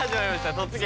「突撃！